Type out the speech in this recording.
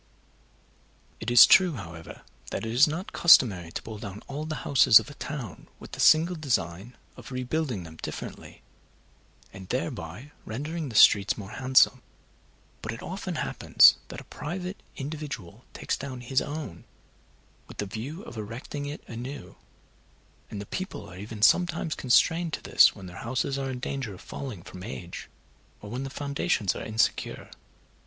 It is true, however, that it is not customary to pull down all the houses of a town with the single design of rebuilding them differently, and thereby rendering the streets more handsome; but it often happens that a private individual takes down his own with the view of erecting it anew, and that people are even sometimes constrained to this when their houses are in danger of falling from age, or when the foundations are insecure.